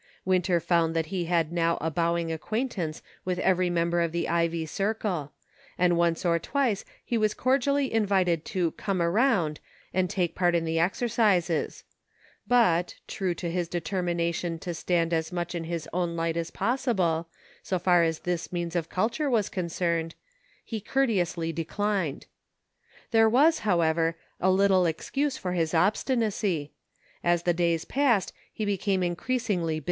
Winter found that he had now a bowing acquaintance with every member of the Ivy Circle ; and once or twice he was cordially invited to "come around " and take part in the exercises; but, true to his determination to stand as much in his own light as possible, so far as this means of culture was concerned, he courteously declined. There was, however, a little excuse for his obsti nacy ; as the days passed he became increasingly PROGRESS.